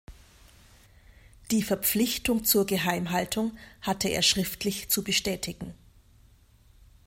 Die Verpflichtung zur Geheimhaltung hatte er schriftlich zu bestätigen.